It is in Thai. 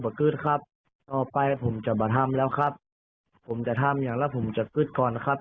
กึ๊ดครับต่อไปผมจะมาทำแล้วครับผมจะทำอย่างแล้วผมจะกึ๊ดก่อนนะครับ